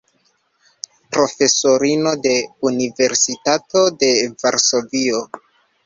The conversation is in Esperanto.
Profesorino de Universitato de Varsovio.